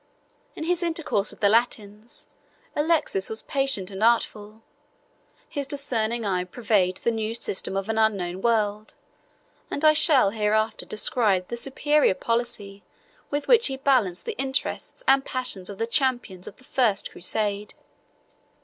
In his intercourse with the Latins, Alexius was patient and artful: his discerning eye pervaded the new system of an unknown world and I shall hereafter describe the superior policy with which he balanced the interests and passions of the champions of the first crusade.